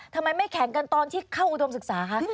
ทำไมไม่แข่งกันตอนที่เข้าอุดมศึกษาคะ